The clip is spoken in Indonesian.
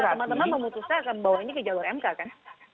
kalau sudah teman teman memutuskan akan membawa ini ke jalur mk kan